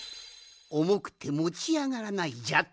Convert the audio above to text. おもくてもちあがらないじゃと！？